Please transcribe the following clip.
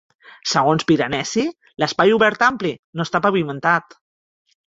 Segons Piranesi, l"espai obert ampli no està pavimentat.